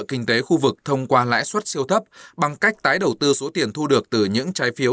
kinh tế khu vực thông qua lãi suất siêu thấp bằng cách tái đầu tư số tiền thu được từ những trái phiếu